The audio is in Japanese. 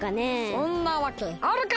そんなわけあるか！